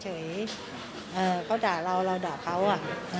เฉยเขาด่าเราเราด่าเขาอ่ะ